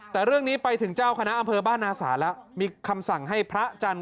แต่เรื่องนี้ไปถึงเจ้าคณะอำเภอบ้านนาศาลแล้วมีคำสั่งให้พระจันทร์